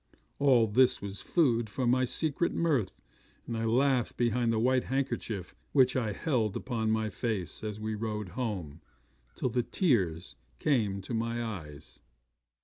All this was food for my secret mirth, and I laughed behind the white handkerchief which I held up to my face, as we rode home, till the tears came into my eyes.